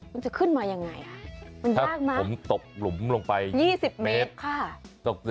คุณจะขึ้นมายังไงถ้าผมตกหลุมลงไป๒๐เมตร